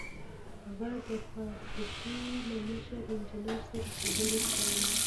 هغه د فابريکې له مشر انجنير سره خبرې کولې.